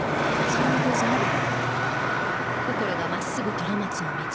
そんな偶然ある？